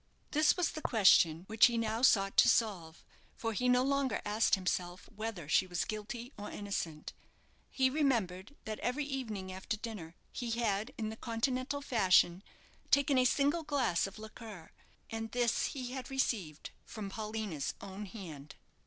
This was the question which he now sought to solve, for he no longer asked himself whether she was guilty or innocent. He remembered that every evening after dinner he had, in Continental fashion, taken a single glass of liqueur; and this he had received from Paulina's own hand.